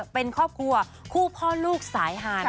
เป็นครอบครัวคู่พ่อลูกสายหาน